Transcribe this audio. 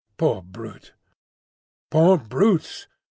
Poor brute! Poor brutes!